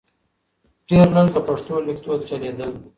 ډېر لږ د پښتو لیکدود چلیدل .